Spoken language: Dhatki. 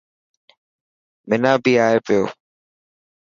منا ٻي آئي پيو.